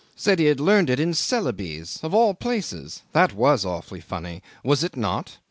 Said he had learned it in Celebes of all places! That was awfully funny. Was it not?